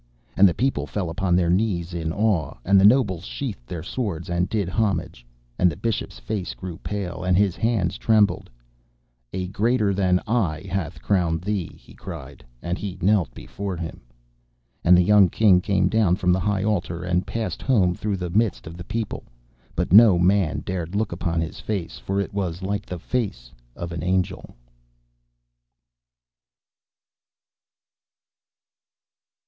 And the people fell upon their knees in awe, and the nobles sheathed their swords and did homage, and the Bishop's face grew pale, and his hands trembled. 'A greater than I hath crowned thee,' he cried, and he knelt before him. And the young King came down from the high altar, and passed home through the midst of the people. But no man dared look upon his face, for it was like the face of an angel.